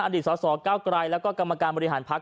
อดีตสสเก้าไกรแล้วก็กรรมการบริหารพักษ